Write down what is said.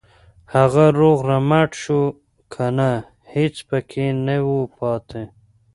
هغه روغ رمټ شو کنه هېڅ پکې نه وو پاتې.